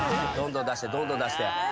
どんどん出して。